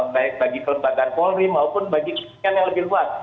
baik bagi kelembagaan polri maupun bagi kepolisian yang lebih luas